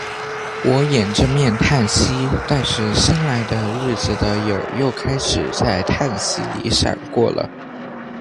我掩着面叹息。但是新来的日子的影儿又开始在叹息里闪过了。